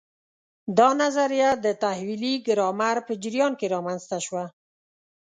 دا نظریه د تحویلي ګرامر په جریان کې رامنځته شوه.